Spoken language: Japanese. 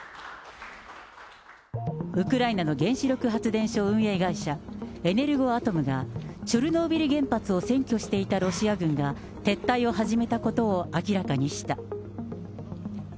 ウクライナの原子力発電所運営会社、エネルゴアトムが、チョルノービリ原発を占拠していたロシア軍が、撤退を始めたことを明らかにした。